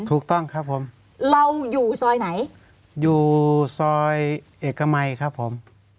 ถูกต้องครับผมเราอยู่ซอยไหนอยู่ซอยเอกมัยครับผม